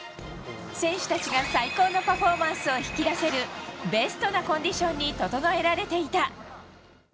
選手たちが、最高のパフォーマンスを引き出せるベストなコンディションに整えられていた。